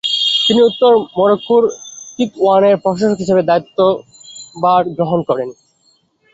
তিনি উত্তর মরক্কোর তিতওয়ানের প্রশাসক হিসেবে দায়িত্বভার গ্রহণ করেন।